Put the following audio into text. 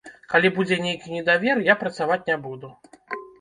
Калі будзе нейкі недавер, я працаваць не буду.